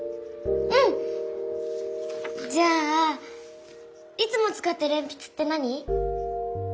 うん！じゃあいつもつかってるえんぴつって何？